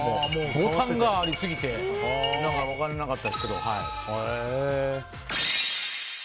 ボタンがありすぎて分からなかったですけど。